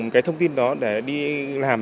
cái thông tin đó để đi làm